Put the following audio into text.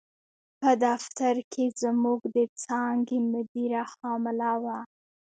په دفتر کې زموږ د څانګې مدیره حامله وه.